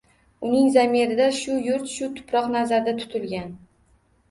Uning zamirida shu yurt, shu tuproq nazarda tutilgan.